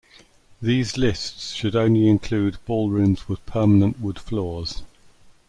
These lists should only include ballrooms with permanent wood floors.